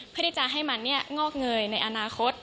เพื่อที่จะให้มันงอกเงยในอนาคต